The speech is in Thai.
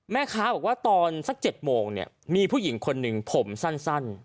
แม่ค้าบอกว่าตอนสัก๗โมงเนี่ยมีผู้หญิงคนหนึ่งผมสั้น